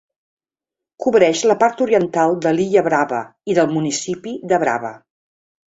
Cobrix la part oriental de l'illa Brava i del municipi de Brava.